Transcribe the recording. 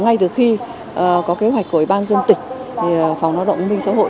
ngay từ khi có kế hoạch của ủy ban dân tịch phòng nói động bình xã hội